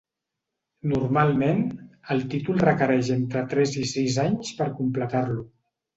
Normalment, el títol requereix entre tres i sis anys per completar-lo.